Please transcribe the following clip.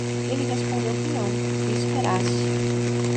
Ele respondeu que não, que esperasse.